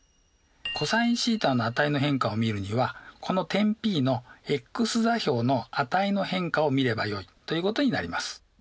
ｃｏｓθの値の変化を見るにはこの点Ｐのｘ座標の値の変化を見ればよいということになります。